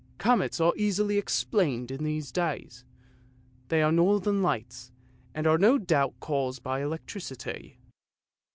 Comets are easily explained in these days; they are northern lights, and are no doubt caused by electricity."